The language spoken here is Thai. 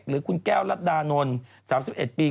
หรือคุณแก้วรัฐดานนท์๓๑ปี